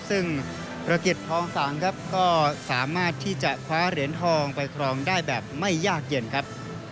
ซึ่งประกิจทองสางครับก็สามารถที่จะคว้าเหรียญทองไปครองได้แบบไม่ยากเย็นครับ